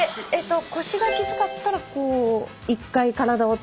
腰がきつかったらこう一回体をたたんで。